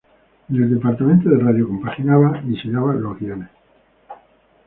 En el departamento de radio compaginaba y sellaba los guiones.